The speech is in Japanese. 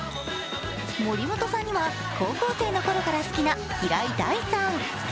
森本さんには、高校生の頃から好きな平井大さん。